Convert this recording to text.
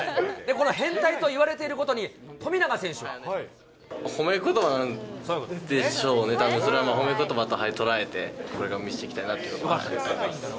この変態と言われていること褒めことばなんでしょうね、たぶんそれはまあ、誉めことばと捉えて、これからも見せていきたいなと。